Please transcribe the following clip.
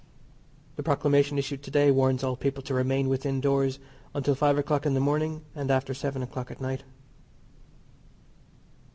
The Proclamation issued to day warns all people to remain within doors until five o'clock in the morning, and after seven o'clock at night.